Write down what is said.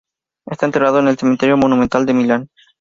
Está enterrado en el Cementerio Monumental de Milán.